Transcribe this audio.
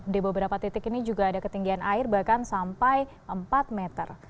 di beberapa titik ini juga ada ketinggian air bahkan sampai empat meter